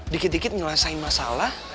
dikit dikit nyelesain masalah